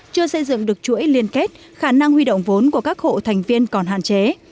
chưa xây dựng được chuỗi liên kết khả năng huy động vốn của các hộ thành viên còn hạn chế